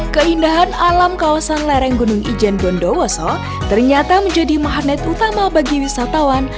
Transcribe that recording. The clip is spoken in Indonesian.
keindahan alam kawasan lereng gunung ijen bondowoso ternyata menjadi magnet utama bagi wisatawan